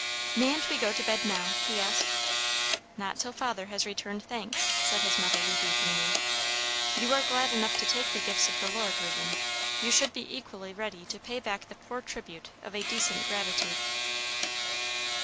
"Mayn't we go to bed now?" he asked. "Not till father has returned thanks," said his mother, rebukingly. "You are glad enough to take the gifts of the Lord, Reuben. You should be equally ready to pay back the poor tribute of a decent gratitude."